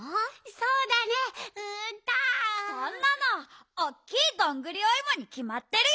そんなのおっきいどんぐりおいもにきまってるよ！